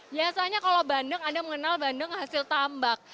biasanya kalau bandeng anda mengenal bandeng hasil tambak